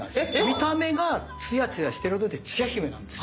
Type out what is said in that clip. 見た目がツヤツヤしてるのでつや姫なんです。